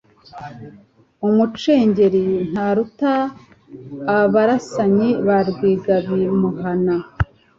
Umucengeli ntaruta Abarasanyi ba Rwigabimuhana